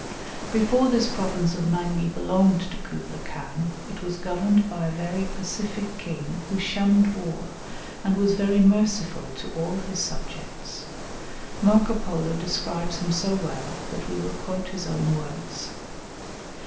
Before this province of Mangi belonged to Kublaï Khan it was governed by a very pacific king, who shunned war, and was very merciful to all his subjects. Marco Polo describes him so well that we will quote his own words.